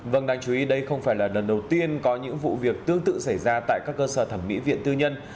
vâng đáng chú ý đây không phải là lần đầu tiên có những vụ việc tương tự xảy ra tại các cơ sở thẩm mỹ viện tư nhân